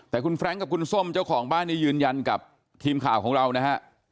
แต่คุณแฟรงค์กับคุณส้มเจ้าของบ้านนี้ยืนยันกับทีมข่าวของเรานะฮะ